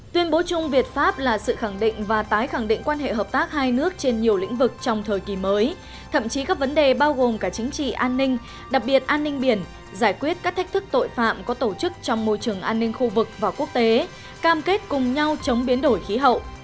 tuyên bố chung việt pháp là sự khẳng định và tái khẳng định quan hệ hợp tác hai nước trên nhiều lĩnh vực trong thời kỳ mới thậm chí các vấn đề bao gồm cả chính trị an ninh đặc biệt an ninh biển giải quyết các thách thức tội phạm có tổ chức trong môi trường an ninh khu vực và quốc tế cam kết cùng nhau chống biến đổi khí hậu